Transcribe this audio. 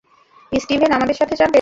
Steven, আমাদের সাথে যাবে?